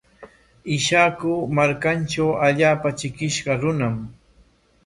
Ishaku markantraw allaapa trikishqa runam.